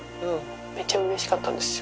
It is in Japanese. めっちゃうれしかったんですよ。